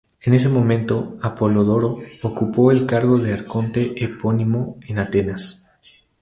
En ese momento Apolodoro ocupó el cargo de arconte epónimo en Atenas.